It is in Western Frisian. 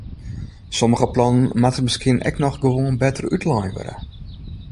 Sommige plannen moatte miskien ek noch gewoan better útlein wurde.